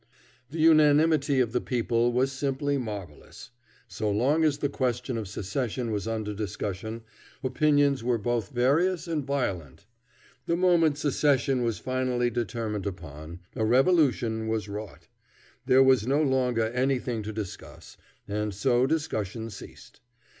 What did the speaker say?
The unanimity of the people was simply marvelous. So long as the question of secession was under discussion, opinions were both various and violent. The moment secession was finally determined upon, a revolution was wrought. There was no longer anything to discuss, and so discussion ceased.